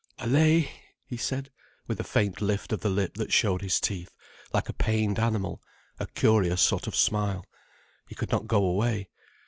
"Allaye!" he said, with a faint lift of the lip that showed his teeth, like a pained animal: a curious sort of smile. He could not go away.